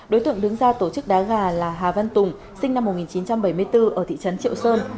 đối tượng đứng ra tổ chức đá gà là hà văn tùng sinh năm một nghìn chín trăm bảy mươi bốn ở thị trấn triệu sơn